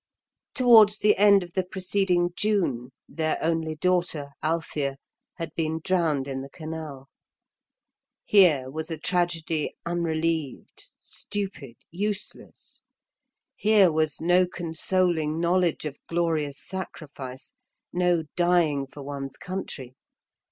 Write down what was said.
Towards the end of the preceding June their only daughter, Althea, had been drowned in the canal. Here was a tragedy unrelieved, stupid, useless. Here was no consoling knowledge of glorious sacrifice; no dying for one's country.